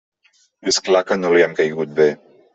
És clar que no li hem caigut bé.